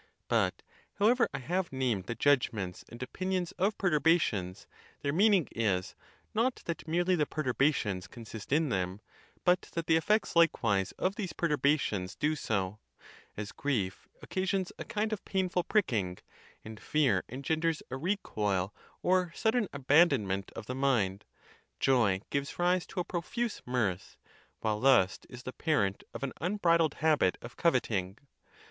But how ever I have named the judgments and opinions of pertur bations, their meaning is, not that merely the perturbations consist in them, but that the effects likewise of these per turbations do so; as grief occasions a kind of painful pricking, and fear engenders a recoil or sudden abandon ment of the mind, joy gives rise to a profuse mirth, while lust is the parent of an unbridled habit of coveting.